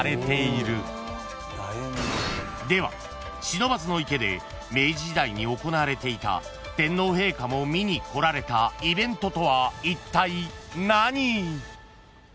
［では不忍池で明治時代に行われていた天皇陛下も見に来られたイベントとはいったい何？］